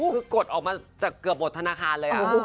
คือกดออกมาจากเกือบหมดธนาคารเลย